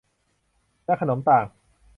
และขนมต่าง